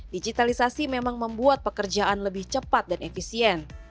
digitalisasi memang membuat pekerjaan lebih cepat dan efisien